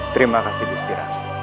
terima kasih gustira